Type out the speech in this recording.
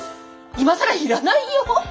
今更要らないよ。